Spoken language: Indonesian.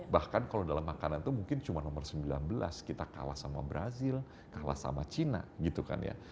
bahkan kalau dalam makanan itu mungkin cuma nomor sembilan belas kita kalah sama brazil kalah sama cina gitu kan ya